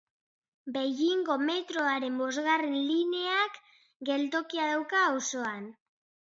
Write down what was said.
Beijingo metroaren bosgarren lineak geltokia dauka auzoan.